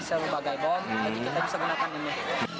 sebagai bom jadi kita bisa gunakan ini